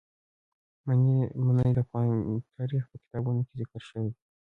منی د افغان تاریخ په کتابونو کې ذکر شوی دي.